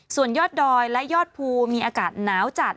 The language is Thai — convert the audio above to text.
ส่วนยอดดอยและยอดภูมีอากาศหนาวจัด